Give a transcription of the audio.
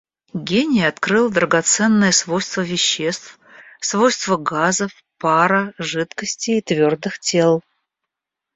Гений открыл драгоценные свойства веществ, свойства газов, пара, жидкостей и твердых тел.